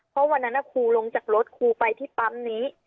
เพราะวันนั้นครูลงจากรถครูไปที่ปั๊มนี้